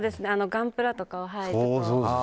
ガンプラとかは、はい。